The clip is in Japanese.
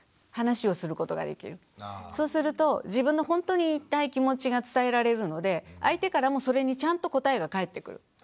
そうすると自分のほんとに言いたい気持ちが伝えられるので相手からもそれにちゃんと答えが返ってくる。